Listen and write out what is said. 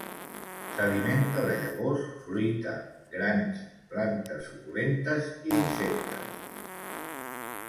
S'alimenta de llavors, fruita, grans, plantes suculentes i insectes.